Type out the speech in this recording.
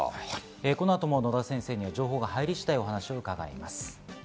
この後も野田先生には情報が入り次第、伺います。